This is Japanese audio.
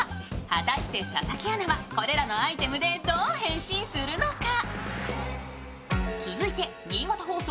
果たして佐々木アナはこれらのアイテムでどう変身するのか。